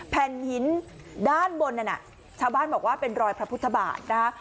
แผ่นหินด้านบนนั้นน่ะชาวบ้านบอกว่าเป็นรอยพระพุทธบาทนะฮะ